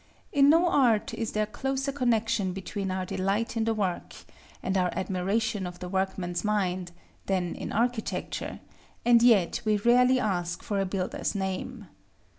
In no art is there closer connection between our delight in the work, and our admiration of the workman's mind, than in architecture, and yet we rarely ask for a builder's name.